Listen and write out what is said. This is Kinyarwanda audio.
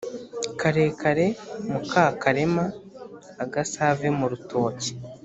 karekare mukakarema-agasave mu rutoki.